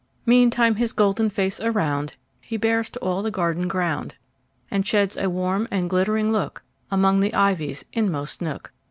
Meantime his golden face aroundHe bears to all the garden ground, And sheds a warm and glittering lookAmong the ivy's inmost nook.